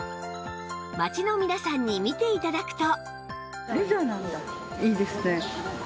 街の皆さんに見て頂くと